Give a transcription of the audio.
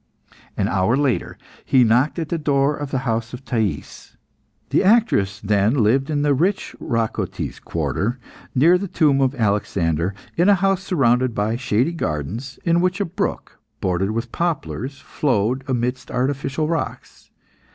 An hour later he knocked at the door of the house of Thais. The actress then lived in the rich Racotis quarter, near the tomb of Alexander, in a house surrounded by shady gardens, in which a brook, bordered with poplars, flowed amidst artificial rocks.